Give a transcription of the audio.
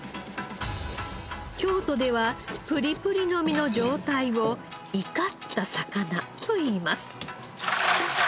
京都ではプリプリの身の状態を活かった魚といいます。